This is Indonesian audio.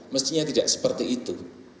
mestinya tidak seperti itu